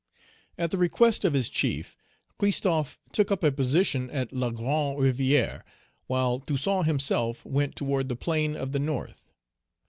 At the request of his chief, Christophe took up a position at La Grande Rivière, while Toussaint himself went toward the plain of the North.